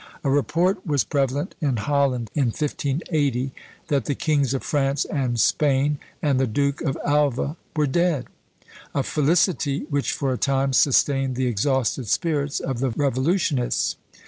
A report was prevalent in Holland in 1580, that the kings of France and Spain and the Duke of Alva were dead; a felicity which for a time sustained the exhausted spirits of the revolutionists.